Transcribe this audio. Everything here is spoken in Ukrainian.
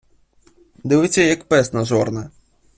Дивиться, як пес на жорна.